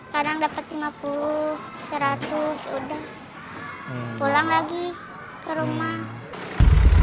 kadang dapat lima puluh seratus udah pulang lagi ke rumah